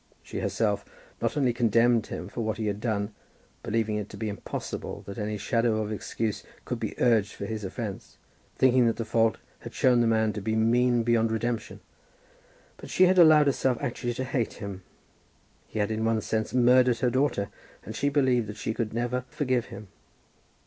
She, herself, not only condemned him for what he had done, believing it to be impossible that any shadow of excuse could be urged for his offence, thinking that the fault had shown the man to be mean beyond redemption, but she had allowed herself actually to hate him. He had in one sense murdered her daughter, and she believed that she could never forgive him.